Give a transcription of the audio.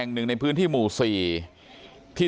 หนึ่งในพื้นที่หมู่๔ที่